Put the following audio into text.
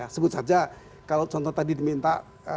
sebut saja kalau contoh tadi diminta